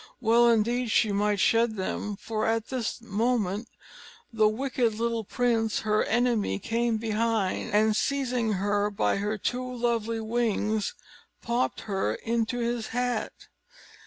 Well indeed she might shed them, for at this moment, the wicked little prince, her enemy, came behind, and seizing her by her two lovely wings, popped her into his hat.